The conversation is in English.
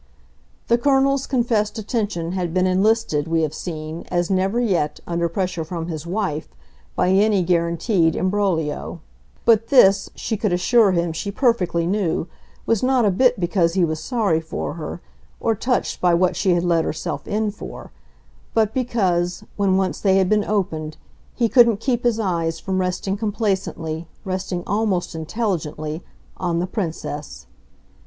The Colonel's confessed attention had been enlisted, we have seen, as never yet, under pressure from his wife, by any guaranteed imbroglio; but this, she could assure him she perfectly knew, was not a bit because he was sorry for her, or touched by what she had let herself in for, but because, when once they had been opened, he couldn't keep his eyes from resting complacently, resting almost intelligently, on the Princess.